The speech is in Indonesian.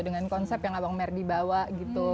dengan konsep yang abang merdi bawa gitu